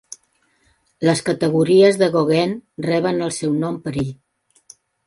"Les categories de Goguen" reben el seu nom per ell.